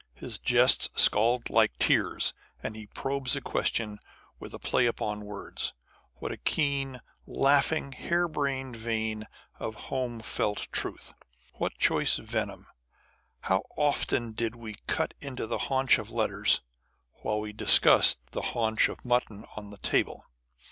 His jests scald like tears : and he probes a question with a play upon words. What a keen, laughing, hair brained vein of home felt truth ! What choice venom ! How often did we cut into the haunch of letters, while we discussed the haunch of mutton on the table